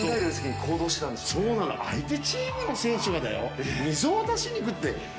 そうなの、相手チームの選手がだよ、水を渡しに行くって。